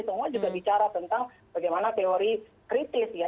semua juga bicara tentang bagaimana teori kritis ya